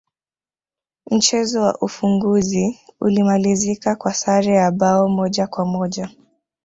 mchezo wa ufunguzi ulimalizika kwa sare ya bao moja kwa moja